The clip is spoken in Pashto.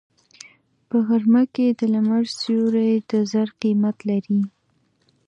په غرمه کې د لمر سیوری د زر قیمت لري